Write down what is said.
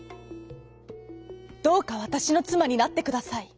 「どうかわたしのつまになってください」。